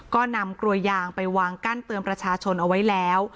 ก็นำกลวยยางไปวางกั้นเตือนประชาชนเอาไว้แล้ว